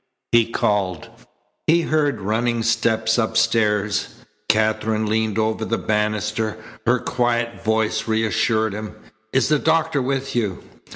he called. He heard running steps upstairs. Katherine leaned over the banister. Her quiet voice reassured him. "Is the doctor with you?"